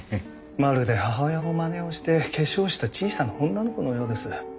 まるで母親のまねをして化粧をした小さな女の子のようです。